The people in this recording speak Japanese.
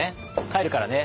帰るからね。